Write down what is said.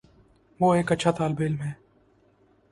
وہ ایک اچھا طالب علم ہے